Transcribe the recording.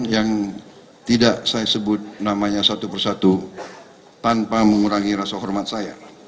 yang tidak saya sebut namanya satu persatu tanpa mengurangi rasa hormat saya